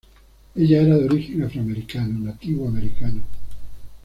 Ella era de origen afroamericano, nativo americano.